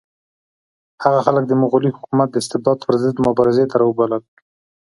هغه خلک د مغلي حکومت د استبداد پر ضد مبارزې ته راوبلل.